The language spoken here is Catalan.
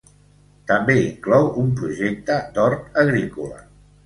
També inclou un projecte d'hort agrícola.